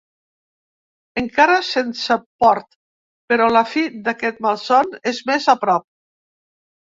Encara sense port, però la fi d’aquest malson és més a prop.